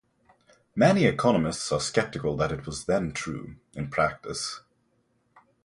Many economists are skeptical that it was then true, in practice.